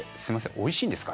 おいしいんですか？